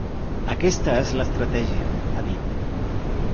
Aquesta és l’estratègia, ha dit.